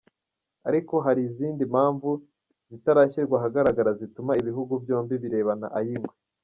Ariko hari izindi mpamvu zitarashyirwa ahagaragara zituma ibihugu byombi birebana ay’ingwe.